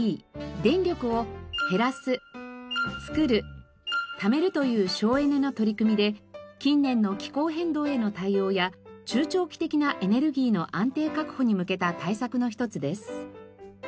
電力を「へらすつくるためる」という省エネの取り組みで近年の気候変動への対応や中長期的なエネルギーの安定確保に向けた対策の一つです。